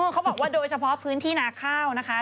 เขาบอกว่าโดยเฉพาะพื้นที่นาข้าวนะคะ